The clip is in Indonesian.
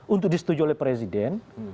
untuk disetujui oleh presiden